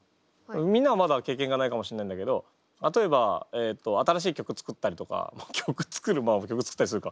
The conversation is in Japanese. みんなはまだ経験がないかもしれないんだけど例えば新しい曲作ったりとか曲作るまあ曲作ったりするか。